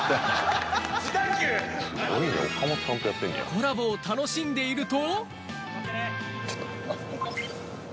コラボを楽しんでいると。